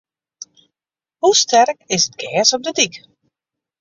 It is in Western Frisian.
Hoe sterk is it gjers op de dyk?